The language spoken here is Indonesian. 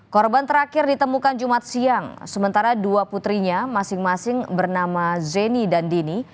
korban terakhir ditemukan jumat siang sementara dua putrinya masing masing bernama zeni dan dini